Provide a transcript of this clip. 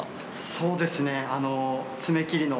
そうですねあの。